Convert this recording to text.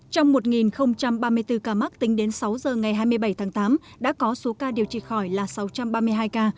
trong một ba mươi bốn ca mắc tính đến sáu giờ ngày hai mươi bảy tháng tám đã có số ca điều trị khỏi là sáu trăm ba mươi hai ca